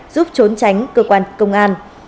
giúp trốn tránh cơ quan công an